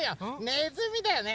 ネズミだよね？